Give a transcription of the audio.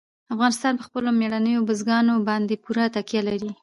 افغانستان په خپلو مېړنیو بزګانو باندې پوره تکیه لري.